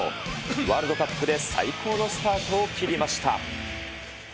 ワールドカップで最高のスタートを切りました。